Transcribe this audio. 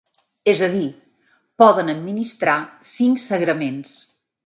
És a dir, poden administrar cinc sagraments.